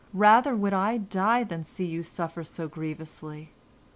Rather would I die than see you suffer so grievously."